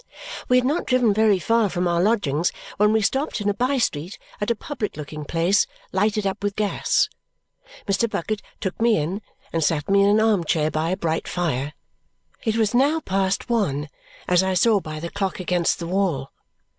We had not driven very far from our lodgings when we stopped in a by street at a public looking place lighted up with gas. Mr. Bucket took me in and sat me in an arm chair by a bright fire. It was now past one, as I saw by the clock against the wall.